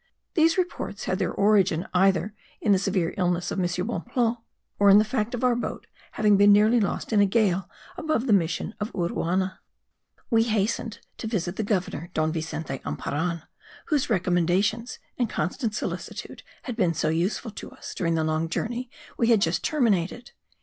These reports had their origin either in the severe illness of M. Bonpland, or in the fact of our boat having been nearly lost in a gale above the mission of Uruana. We hastened to visit the governor, Don Vicente Emparan, whose recommendations and constant solicitude had been so useful to us during the long journey we had just terminated.